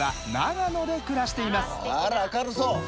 あら明るそう！